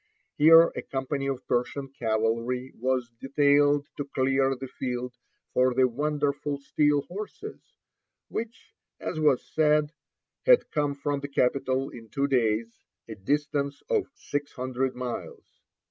Here a company of Persian cavalry was detailed to clear the field for the "wonderful steel horses," which, as was said, had come from the capital in two days, a distance of six hundred miles.